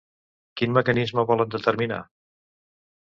Quin mecanisme volen determinar?